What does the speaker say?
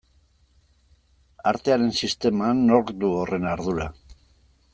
Artearen sisteman nork du horren ardura?